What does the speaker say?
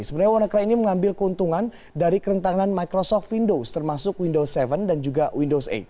sebenarnya wannacry ini mengambil keuntungan dari kerentanan microsoft windows termasuk window tujuh dan juga windows delapan